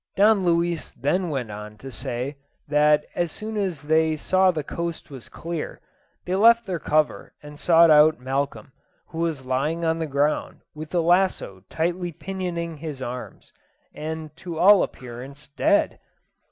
Don Luis then went on to say, that as soon as they saw the coast was clear, they left their cover and sought out Malcolm, who was lying on the ground with the lasso lightly pinioning his arms, and to all appearance dead.